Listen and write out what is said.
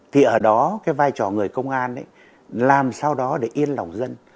thì ở đó vai trò người công an làm sao đó để yên lòng dân